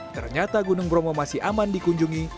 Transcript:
ternyata gunung bromo masih aman dikunjungi